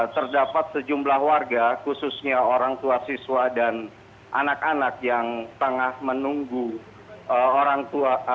terdapat sejumlah warga khususnya orang tua siswa dan anak anak yang tengah menunggu orang tua